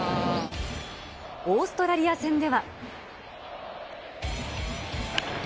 オーストラリア戦では。